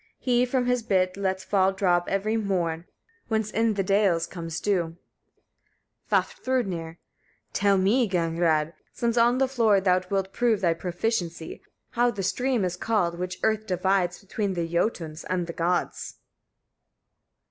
He from his bit lets fall drops every morn, whence in the dales comes dew. Vafthrûdnir. 15. Tell me, Gagnrâd! since on the floor thou wilt prove thy proficiency, how the stream is called, which earth divides between the Jötuns and the Gods?